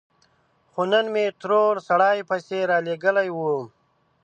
خو نن مې ترور سړی پسې رالېږلی و.